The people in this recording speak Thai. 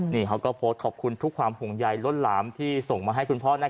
นี่เขาก็โพสต์ขอบคุณทุกความห่วงใยล้นหลามที่ส่งมาให้คุณพ่อ